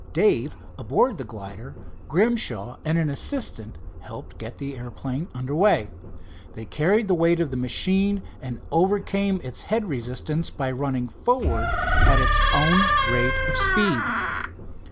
Dave aboard the glider, Grimshaw and an assistant helped get the airplane under way. They carried the weight of the machine and overcame its head resistance by running forward at its own rate of speed.